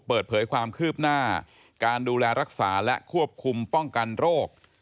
เปิดเผยความคืบหน้าการดูแลรักษาและควบคุมป้องกันโรค